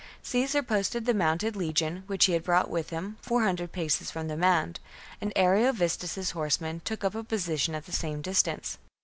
Caesar posted the mounted legion, which he had brought with him, four hundred paces from the mound ; and Ariovistus's horsemen took up a position at the same distance.